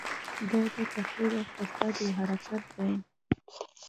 دا د تخریب او فساد یو حرکت دی.